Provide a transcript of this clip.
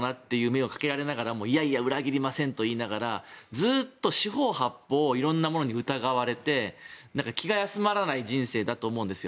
目をかけられながらもいやいや、裏切りませんと言いながら、ずっと四方八方色んなものに疑われて気が休まらない人生だと思うんです。